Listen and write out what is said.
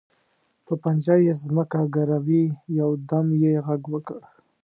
په پنجه یې ځمکه ګروي، یو دم یې غږ وکړ.